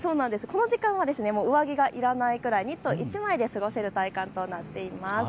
この時間は上着がいらないくらい、ニット１枚で過ごせる体感となっています。